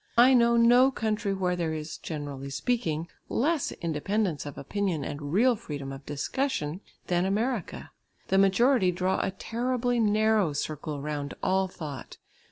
I know no country where there is, generally speaking, less independence of opinion and real freedom of discussion than America. The majority draw a terribly narrow circle round all thought.